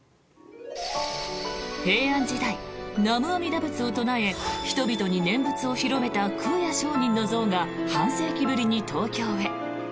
平安時代、南無阿弥陀仏を唱え人々に念仏を広めた空也上人の像が半世紀ぶりに東京へ。